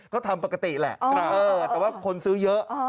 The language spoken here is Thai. ก็ทำปกติแหละแต่ว่าคนซื้อเยอะ